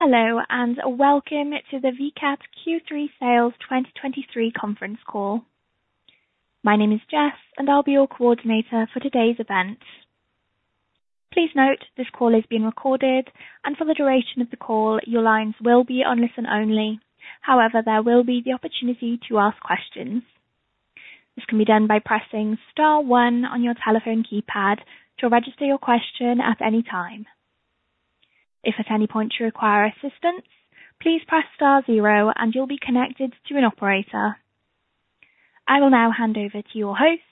Hello, and welcome to the Vicat Q3 Sales 2023 Conference Call. My name is Jess, and I'll be your coordinator for today's event. Please note, this call is being recorded, and for the duration of the call, your lines will be on listen-only. However, there will be the opportunity to ask questions. This can be done by pressing star one on your telephone keypad to register your question at any time. If at any point you require assistance, please press star zero and you'll be connected to an operator. I will now hand over to your host,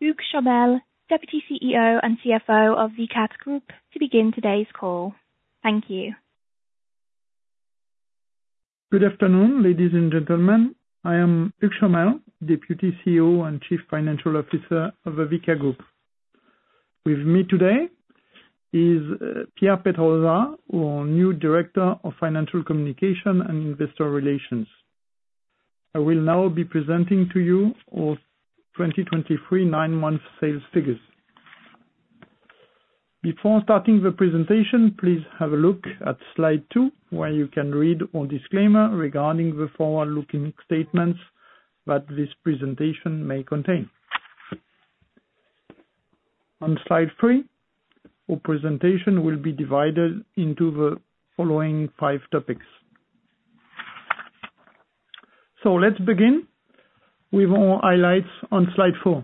Hugues Chomel, Deputy CEO and CFO of Vicat Group, to begin today's call. Thank you. Good afternoon, ladies and gentlemen. I am Hugues Chomel, Deputy CEO and Chief Financial Officer of the Vicat Group. With me today is Pierre Pedrosa, our new Director of Financial Communication and Investor Relations. I will now be presenting to you our 2023 nine month sales figures. Before starting the presentation, please have a look at slide two, where you can read our disclaimer regarding the forward-looking statements that this presentation may contain. On slide three, our presentation will be divided into the following five topics. Let's begin with our highlights on slide four.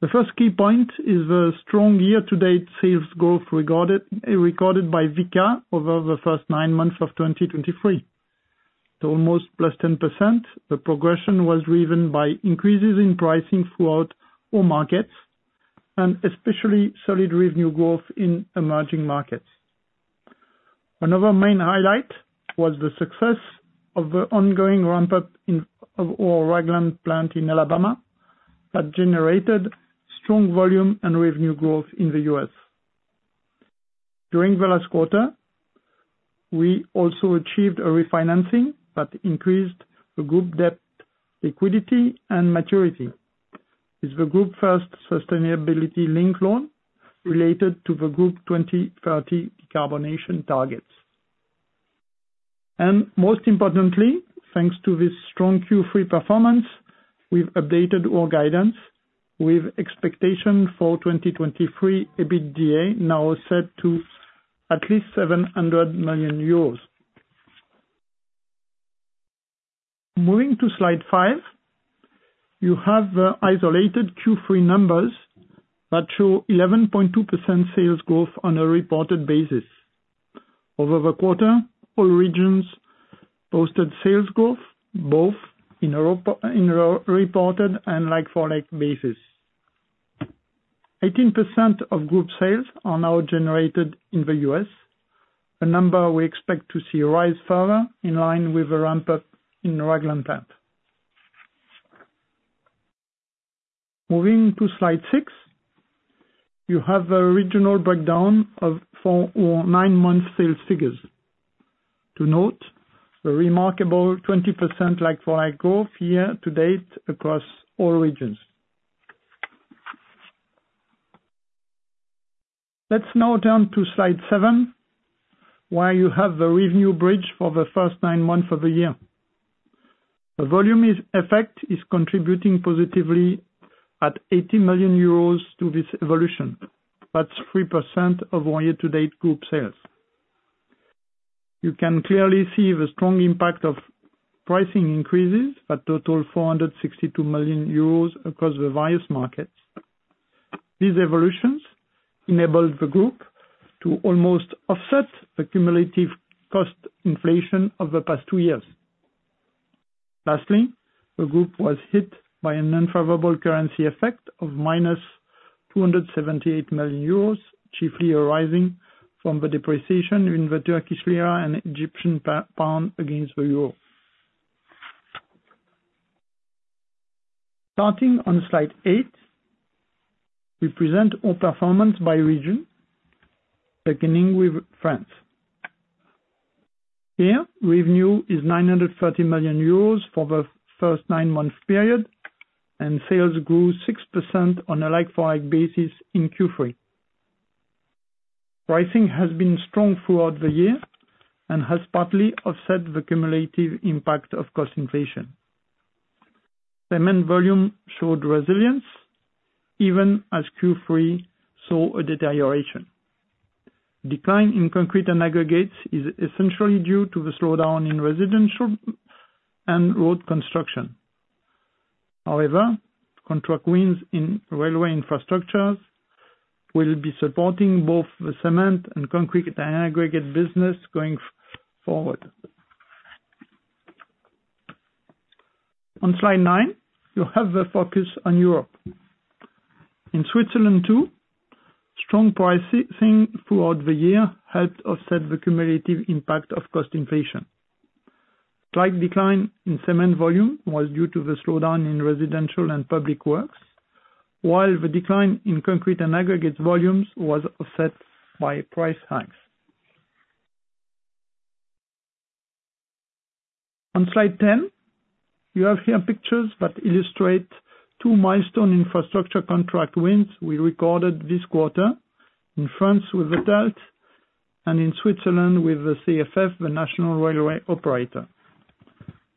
The first key point is the strong year-to-date sales growth recorded by Vicat over the first nine months of 2023. To almost +10%, the progression was driven by increases in pricing throughout all markets, and especially solid revenue growth in emerging markets. Another main highlight was the success of the ongoing ramp-up in of our Ragland plant in Alabama, that generated strong volume and revenue growth in the U.S. During the last quarter, we also achieved a refinancing that increased the group debt liquidity and maturity. It's the group first sustainability-linked loan related to the group 2030 decarbonization targets. And most importantly, thanks to this strong Q3 performance, we've updated our guidance with expectation for 2023 EBITDA, now set to at least 700 million euros. Moving to slide five, you have the isolated Q3 numbers that show 11.2% sales growth on a reported basis. Over the quarter, all regions posted sales growth, both in Europe, in reported and like-for-like basis. 18% of group sales are now generated in the U.S., a number we expect to see rise further in line with the ramp-up in Ragland plant. Moving to slide six, you have the regional breakdown of, for our nine-month sales figures. To note, the remarkable 20% like-for-like growth year-to-date across all regions. Let's now turn to slide seven, where you have the revenue bridge for the first nine months of the year. The volume is, effect is contributing positively at 80 million euros to this evolution. That's 3% of our year-to-date group sales. You can clearly see the strong impact of pricing increases that total 462 million euros across the various markets. These evolutions enabled the group to almost offset the cumulative cost inflation of the past two years. Lastly, the group was hit by an unfavorable currency effect of -278 million euros, chiefly arising from the depreciation in the Turkish lira and Egyptian pound against the euro. Starting on slide eight, we present our performance by region, beginning with France. Here, revenue is 930 million euros for the first nine-month period, and sales grew 6% on a like-for-like basis in Q3. Pricing has been strong throughout the year and has partly offset the cumulative impact of cost inflation. Cement volume showed resilience, even as Q3 saw a deterioration. Decline in concrete and aggregates is essentially due to the slowdown in residential and road construction. However, contract wins in railway infrastructures will be supporting both the cement and concrete and aggregate business going forward. On slide 9, you have the focus on Europe. In Switzerland, too, strong pricing throughout the year helped offset the cumulative impact of cost inflation. Slight decline in cement volume was due to the slowdown in residential and public works, while the decline in concrete and aggregates volumes was offset by price hikes. On slide 10, you have here pictures that illustrate two milestone infrastructure contract wins we recorded this quarter, in France with the TELT and in Switzerland with the CFF, the national railway operator.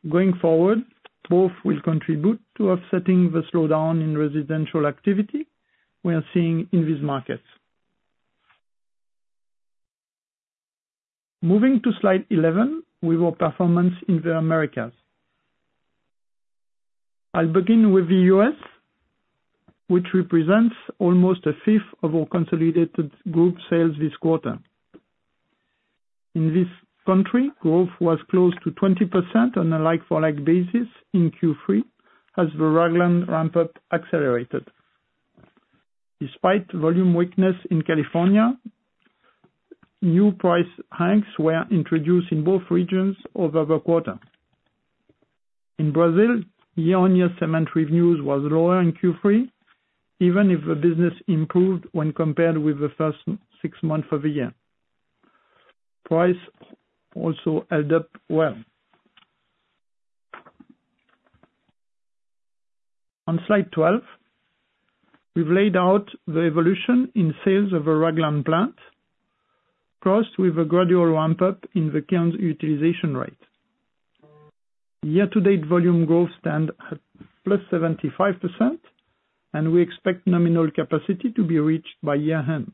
Going forward, both will contribute to offsetting the slowdown in residential activity we are seeing in these markets. Moving to slide 11, with our performance in the Americas. I'll begin with the U.S., which represents almost a fifth of our consolidated group sales this quarter. In this country, growth was close to 20% on a like-for-like basis in Q3, as the Ragland ramp-up accelerated. Despite volume weakness in California, new price hikes were introduced in both regions over the quarter. In Brazil, year-on-year cement revenues was lower in Q3, even if the business improved when compared with the first six months of the year. Price also held up well. On slide 12, we've laid out the evolution in sales of the Ragland plant, crossed with a gradual ramp-up in the kilns utilization rate. Year-to-date volume growth stand at +75%, and we expect nominal capacity to be reached by year-end.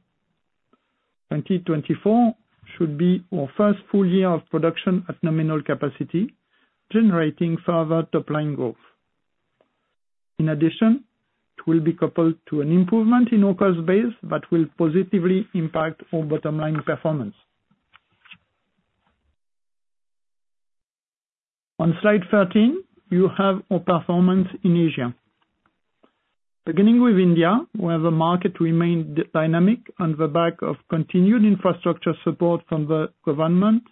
2024 should be our first full year of production at nominal capacity, generating further top-line growth. In addition, it will be coupled to an improvement in our cost base that will positively impact our bottom line performance. On slide 13, you have our performance in Asia. Beginning with India, where the market remained dynamic on the back of continued infrastructure support from the government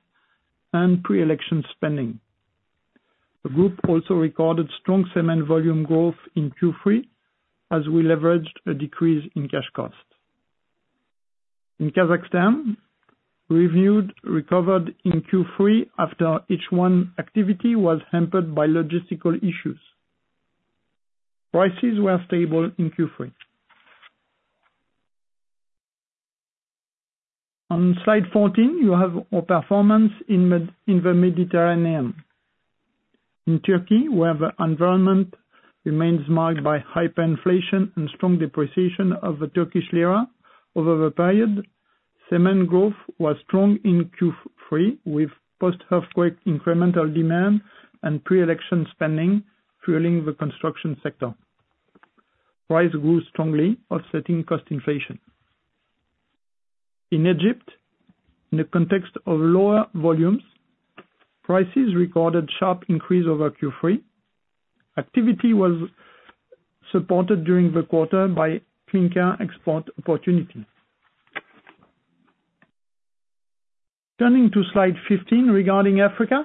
and pre-election spending. The group also recorded strong cement volume growth in Q3, as we leveraged a decrease in cash costs. In Kazakhstan, revenues recovered in Q3 after economic activity was hampered by logistical issues. Prices were stable in Q3. On slide 14, you have our performance in the Mediterranean. In Turkey, where the environment remains marked by hyperinflation and strong depreciation of the Turkish Lira over the period, cement growth was strong in Q3, with post-earthquake incremental demand and pre-election spending fueling the construction sector. Prices grew strongly, offsetting cost inflation. In Egypt, in the context of lower volumes, prices recorded sharp increase over Q3. Activity was supported during the quarter by clinker export opportunities. Turning to slide 15, regarding Africa.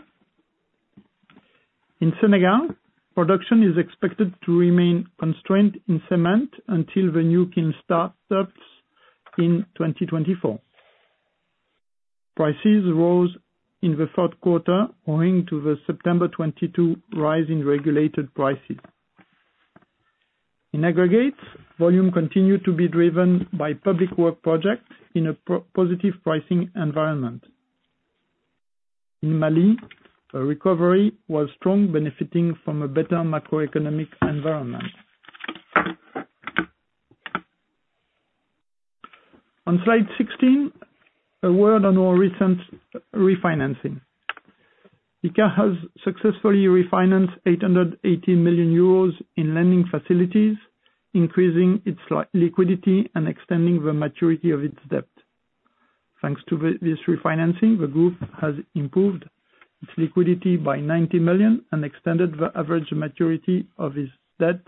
In Senegal, production is expected to remain constrained in cement until the new kiln starts up in 2024. Prices rose in the third quarter, owing to the September 2022 rise in regulated prices. In aggregate, volume continued to be driven by public work projects in a positive pricing environment. In Mali, a recovery was strong, benefiting from a better macroeconomic environment. On slide 16, a word on our recent refinancing. Vicat has successfully refinanced 880 million euros in lending facilities, increasing its liquidity and extending the maturity of its debt. Thanks to this refinancing, the group has improved its liquidity by 90 million and extended the average maturity of its debt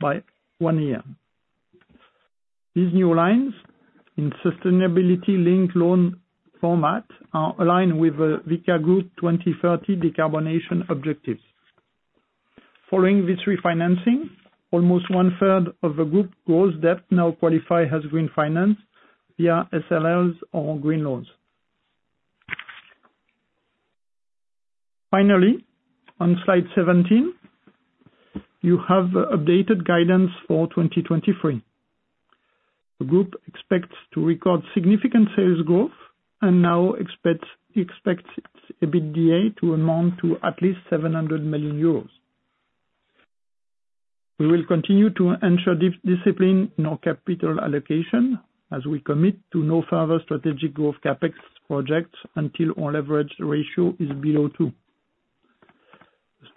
by 1 year. These new lines in sustainability-linked loan format are aligned with the Vicat Group 2030 decarbonization objectives. Following this refinancing, almost one-third of the group's gross debt now qualify as green finance via SLLs or green loans. Finally, on slide 17, you have the updated guidance for 2023. The group expects to record significant sales growth and now expects, expects EBITDA to amount to at least 700 million euros. We will continue to ensure discipline in our capital allocation, as we commit to no further strategic growth CapEx projects until our leverage ratio is below two.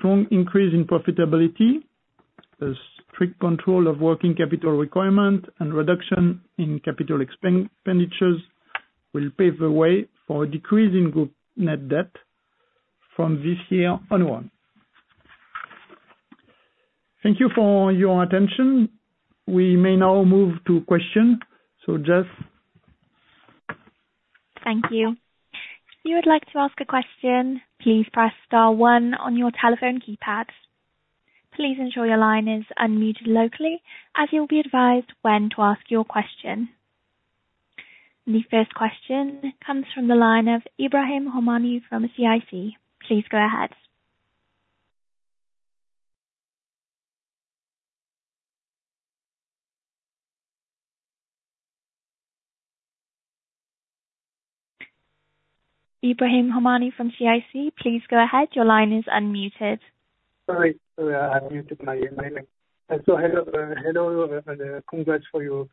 Strong increase in profitability, as strict control of working capital requirement and reduction in capital expenditures will pave the way for a decrease in group net debt from this year onward. Thank you for your attention. We may now move to question. So Jess? Thank you. If you would like to ask a question, please press star one on your telephone keypads. Please ensure your line is unmuted locally, as you'll be advised when to ask your question. The first question comes from the line of Ebrahim Homani from CIC. Please go ahead. Ebrahim Homani from CIC, please go ahead. Your line is unmuted. Sorry, sorry, I muted my line. Hello, hello, and congrats for your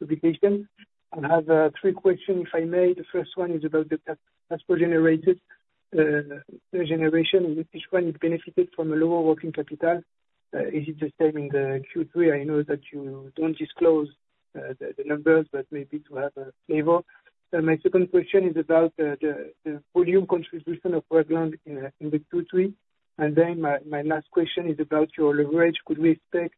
publication. I have three questions, if I may. The first one is about the cash flow generated, generation, which one is benefited from a lower working capital. Is it the same in the Q3? I know that you don't disclose the numbers, but maybe to have a flavor. Then my second question is about the volume contribution of Ragland in the Q3. And then my last question is about your leverage. Could we expect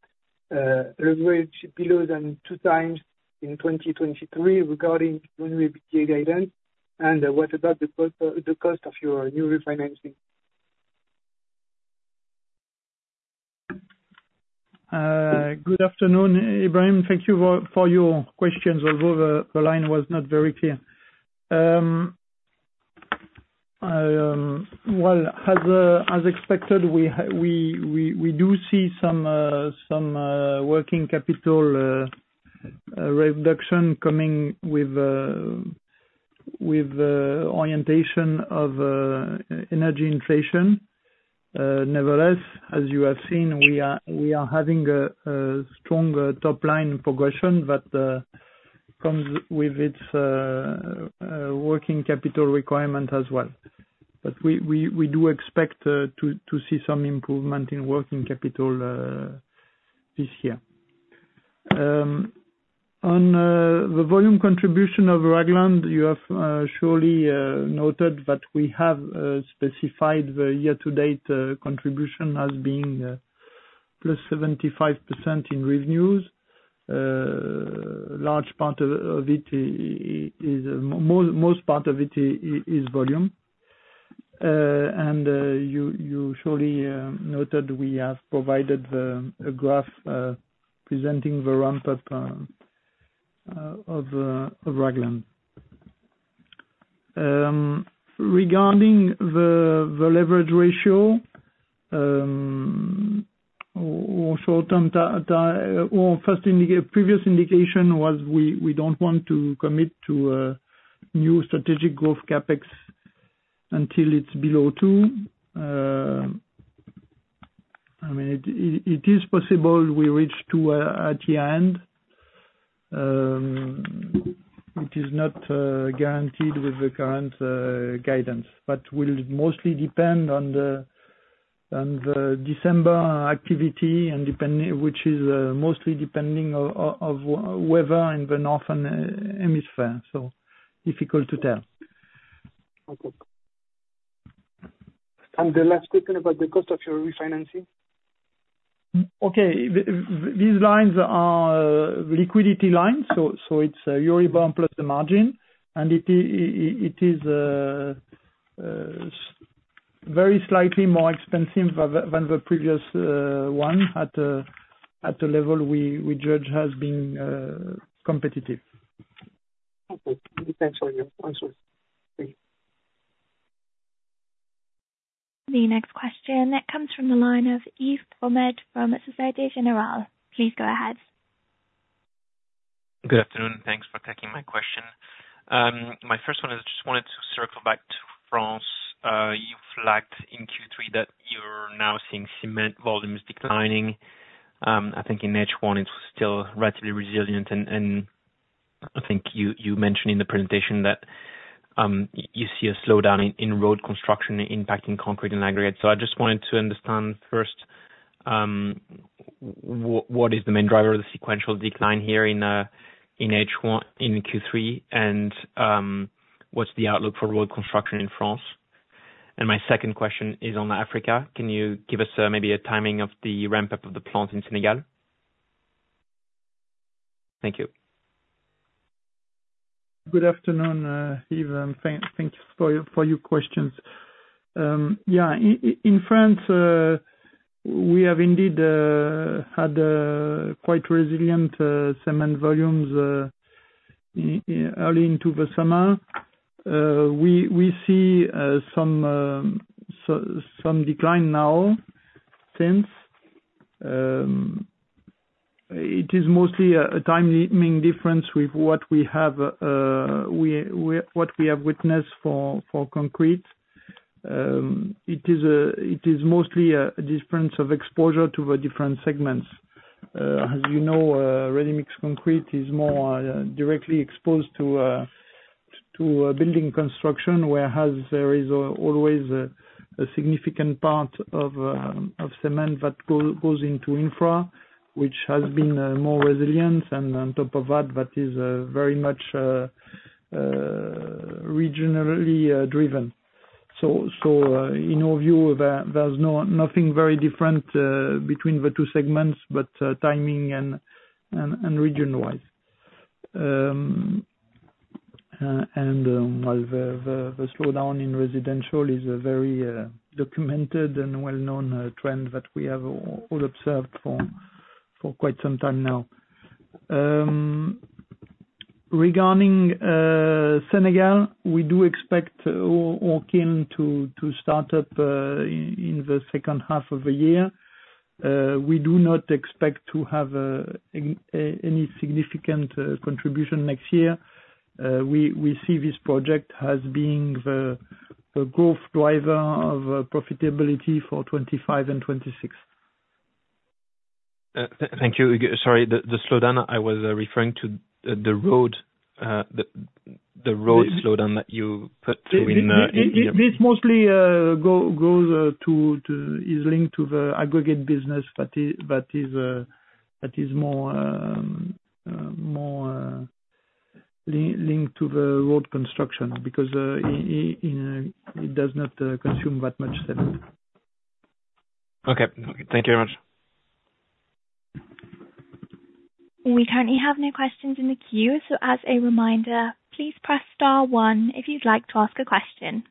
leverage below than 2x in 2023, regarding when we begin guidance? And what about the cost, the cost of your new refinancing? Good afternoon, Ebrahim. Thank you for your questions, although the line was not very clear. Well, as expected, we do see some working capital reduction coming with orientation of energy inflation. Nevertheless, as you have seen, we are having a strong top line progression, but comes with its working capital requirement as well. But we do expect to see some improvement in working capital this year. On the volume contribution of Ragland, you have surely noted that we have specified the year-to-date contribution as being plus 75% in revenues. Large part of it is, most part of it is volume. And you surely noted we have provided a graph presenting the ramp up of Ragland. Regarding the leverage ratio, or short-term, or first indication, previous indication was we don't want to commit to a new strategic growth CapEx until it's below two. I mean, it is possible we reach two at the end. It is not guaranteed with the current guidance, but will mostly depend on the December activity, and depending which is mostly depending on weather in the Northern Hemisphere. So difficult to tell. Okay. The last question about the cost of your refinancing? Okay. These lines are liquidity lines, so it's Euro plus the margin, and it is very slightly more expensive than the previous one, at the level we judge as being competitive. Okay. Many thanks for your answers. Thank you. The next question that comes from the line of Yves Bromehead from Société Générale. Please go ahead. Good afternoon, thanks for taking my question. My first one is, I just wanted to circle back to France. You flagged in Q3 that you're now seeing cement volumes declining. I think in H1 it's still relatively resilient, and I think you mentioned in the presentation that you see a slowdown in road construction impacting concrete and aggregate. So I just wanted to understand first, what is the main driver of the sequential decline here in H1 in Q3? And what's the outlook for road construction in France? And my second question is on Africa. Can you give us maybe a timing of the ramp up of the plant in Senegal? Thank you. Good afternoon, Yves, and thank you for your questions. Yeah, in France, we have indeed had quite resilient cement volumes early into the summer. We see some decline now, since it is mostly a timing difference with what we have witnessed for concrete. It is mostly a difference of exposure to the different segments. As you know, ready-mix concrete is more directly exposed to a building construction, whereas there is always a significant part of cement that goes into infra, which has been more resilient. And on top of that, that is very much regionally driven. In our view, there's nothing very different between the two segments, but timing and region-wise. The slowdown in residential is a very documented and well-known trend that we have all observed for quite some time now. Regarding Senegal, we do expect SOCOCIM to start up in the second half of the year. We do not expect to have any significant contribution next year. We see this project as being the growth driver of profitability for 2025 and 2026. Thank you. Sorry, the slowdown I was referring to, the road slowdown that you put in, in This mostly is linked to the aggregates business that is more linked to the road construction, because you know, it does not consume that much cement. Okay. Thank you very much. We currently have no questions in the queue. As a reminder, please press star one if you'd like to ask a question.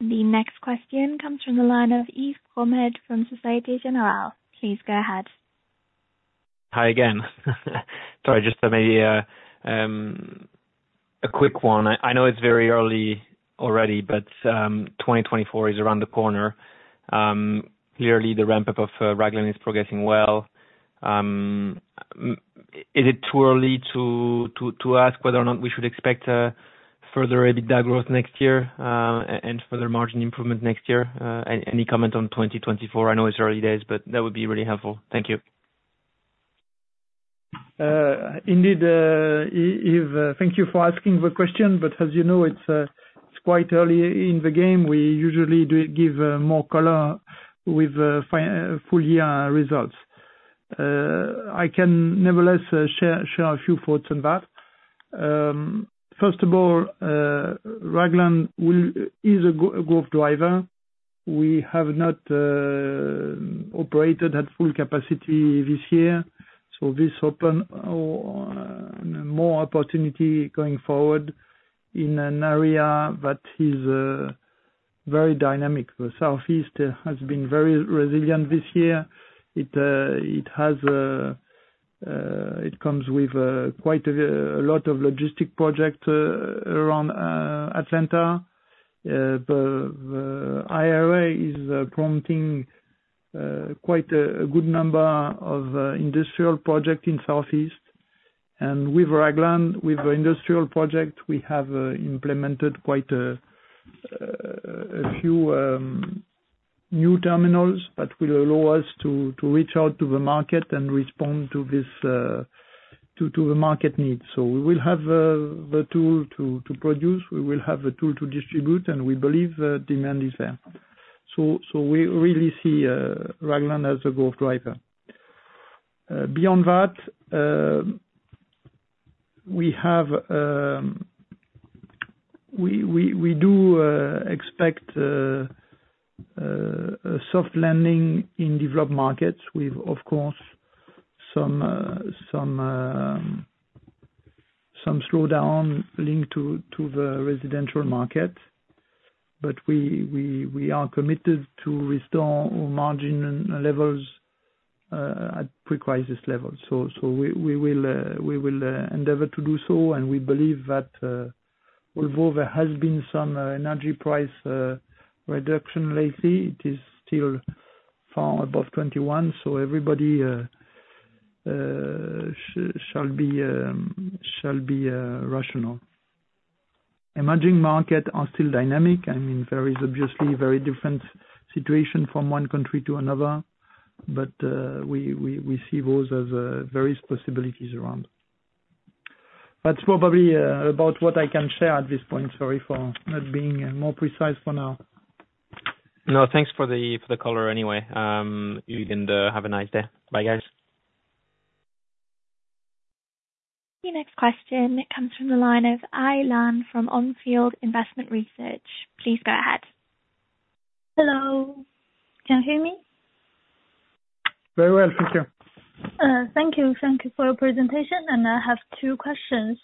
The next question comes from the line of Yves Bromehead from Société Générale. Please go ahead. Hi again. Sorry, just maybe a quick one. I know it's very early already, but 2024 is around the corner. Clearly the ramp-up of Ragland is progressing well. Is it too early to ask whether or not we should expect a further EBITDA growth next year, and further margin improvement next year? Any comment on 2024? I know it's early days, but that would be really helpful. Thank you. Indeed, Yves, thank you for asking the question, but as you know, it's quite early in the game. We usually do give more color with full year results. I can nevertheless share a few thoughts on that. First of all, Ragland is a growth driver. We have not operated at full capacity this year, so this opens more opportunity going forward in an area that is very dynamic. The Southeast has been very resilient this year. It has come with quite a lot of logistic project around Atlanta. The IRA is prompting quite a good number of industrial project in Southeast. With Ragland, with the industrial project, we have implemented quite a few new terminals that will allow us to reach out to the market and respond to the market needs. So we will have the tool to produce, we will have the tool to distribute, and we believe the demand is there. So we really see Ragland as a growth driver. Beyond that, we expect a soft landing in developed markets with, of course, some slowdown linked to the residential market. But we are committed to restore our margin and levels at pre-crisis level. So we will endeavor to do so, and we believe that, although there has been some energy price reduction lately, it is still far above 2021, so everybody shall be rational. Emerging markets are still dynamic. I mean, there is obviously very different situation from one country to another, but we see those as various possibilities around. That's probably about what I can share at this point. Sorry for not being more precise for now. No, thanks for the color anyway. Have a nice day. Bye, guys. The next question comes from the line of Alan from Onfield Investment Research. Please go ahead. Hello, can you hear me? Very well. Thank you. Thank you. Thank you for your presentation, and I have two questions.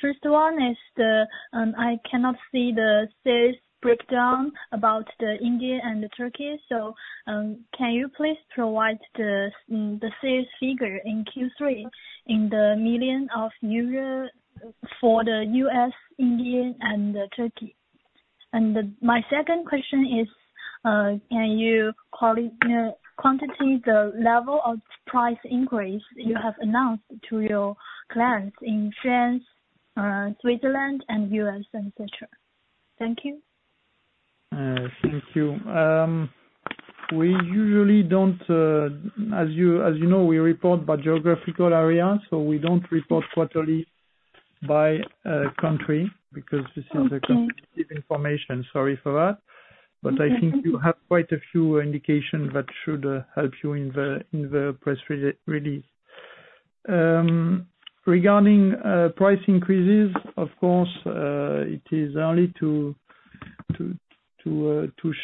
First one is the, I cannot see the sales breakdown about the India and the Turkey. So, can you please provide the sales figure in Q3, in the million of euro for the U.S., India, and, Turkey? And the my second question is, can you quantity the level of price increase you have announced to your clients in France, Switzerland, and U.S., et cetera? Thank you. Thank you. We usually don't. As you know, we report by geographical area, so we don't report quarterly by country, because this is- Okay. the competitive information. Sorry for that. Okay. But I think you have quite a few indication that should help you in the press release. Regarding price increases, of course, it is early to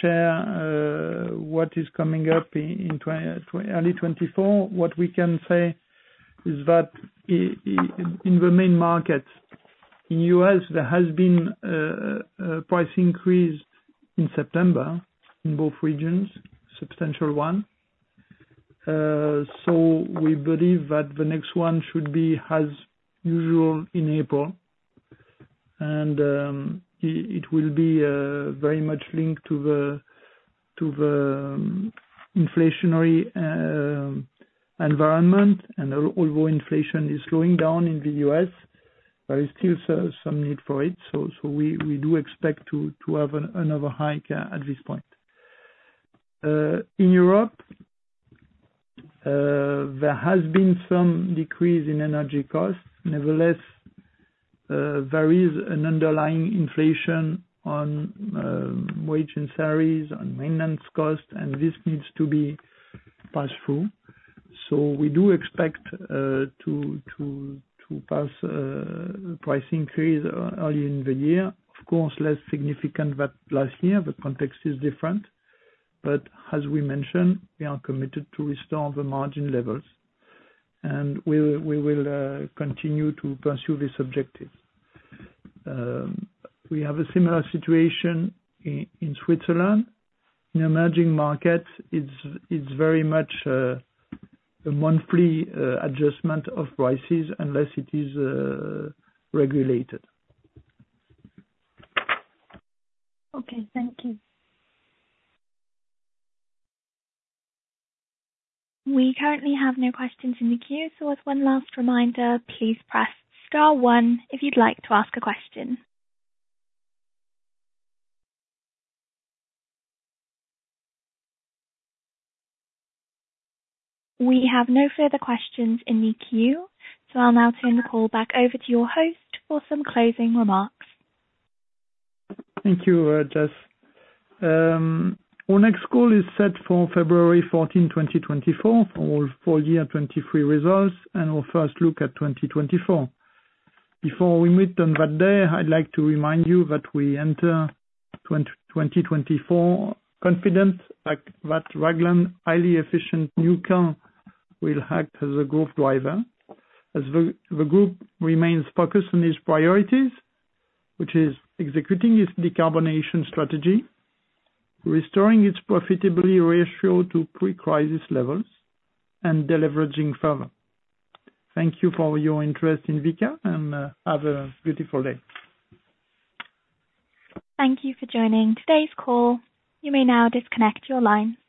share what is coming up in early 2024. What we can say is that in the main market, in U.S., there has been a price increase in September, in both regions, substantial one. So we believe that the next one should be as usual in April, and it will be very much linked to the inflationary environment. And although inflation is slowing down in the U.S., there is still some need for it, so we do expect to have another hike at this point. In Europe, there has been some decrease in energy costs. Nevertheless, there is an underlying inflation on wages and salaries, on maintenance costs, and this needs to be passed through. So we do expect to pass price increase early in the year. Of course, less significant than last year, the context is different. But as we mentioned, we are committed to restore the margin levels, and we will continue to pursue this objective. We have a similar situation in Switzerland. In emerging markets, it's very much a monthly adjustment of prices, unless it is regulated. Okay, thank you. We currently have no questions in the queue. So as one last reminder, please press star one if you'd like to ask a question. We have no further questions in the queue, so I'll now turn the call back over to your host for some closing remarks. Thank you, Jess. Our next call is set for 14 February 2024, for our full year 2023 results, and our first look at 2024. Before we meet on that day, I'd like to remind you that we enter 2024 confident, like, that Ragland highly efficient new kiln will act as a growth driver. As the group remains focused on its priorities, which is executing its decarbonization strategy, restoring its profitability ratio to pre-crisis levels, and deleveraging further. Thank you for your interest in Vicat, and have a beautiful day. Thank you for joining today's call. You may now disconnect your line.